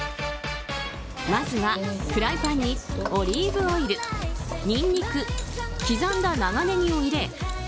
まずはフライパンにオリーブオイル、ニンニク刻んだ長ネギを入れ